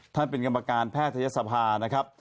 เป็นกรรมการแพทยศภานะครับ